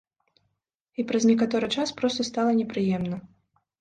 І праз некаторы час проста стала непрыемна.